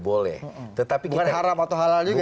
boleh tetapi bukan haram atau halal juga